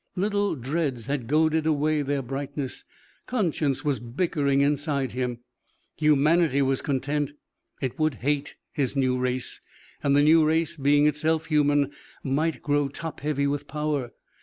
Little dreads had goaded away their brightness. Conscience was bickering inside him. Humanity was content; it would hate his new race. And the new race, being itself human, might grow top heavy with power.